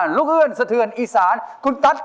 ช่วยฝังดินหรือกว่า